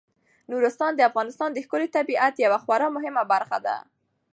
نورستان د افغانستان د ښکلي طبیعت یوه خورا مهمه برخه ده.